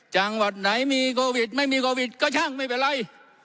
จังหวัดไหนมีโควิดไม่มีโควิดก็ช่างไม่เป็นไร